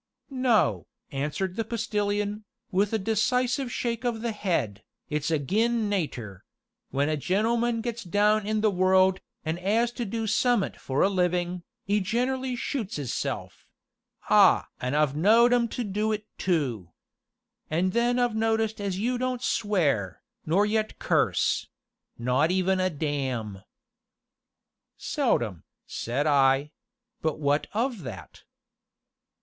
"No," answered the Postilion, with a decisive shake of the head, "it's ag'in' natur'; when a gentleman gets down in the world, an' 'as to do summ'at for a livin', 'e generally shoots 'isself ah! an' I've knowed 'em do it too! An' then I've noticed as you don't swear, nor yet curse not even a damn." "Seldom," said I; "but what of that?"